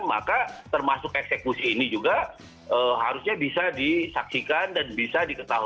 maka termasuk eksekusi ini juga harusnya bisa disaksikan dan bisa diketahui